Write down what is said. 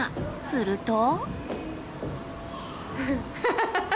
すると。